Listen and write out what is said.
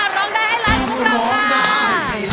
กว่าความว่า